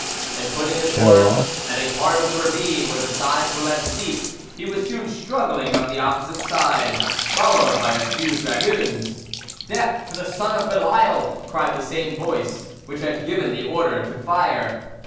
and putting his horse at a part of the ravine where the sides were less steep, he was soon struggling up the opposite side, followed by a few dragoons. "Death to the son of Belial!" cried the same voice which had given the order to fire.